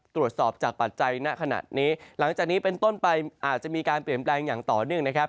ตรวจสอบจากปัจจัยณขณะนี้หลังจากนี้เป็นต้นไปอาจจะมีการเปลี่ยนแปลงอย่างต่อเนื่องนะครับ